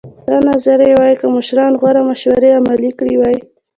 دا نظریه وایي که مشرانو غوره مشورې عملي کړې وای.